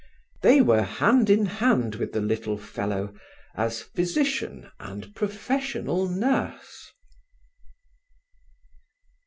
They were hand in hand with the little fellow as physician and professional nurse.